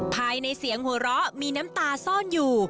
ภายในเสียงหัวเราะมีน้ำตาซ่อนอยู่